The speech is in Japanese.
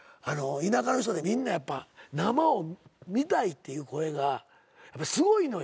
田舎の人みんなやっぱ生を見たいっていう声がすごいのよ。